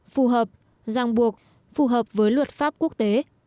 phù hợp giang buộc phù hợp với luật pháp quốc tế